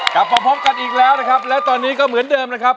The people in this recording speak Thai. กลับมาพบกันอีกแล้วนะครับและตอนนี้ก็เหมือนเดิมนะครับ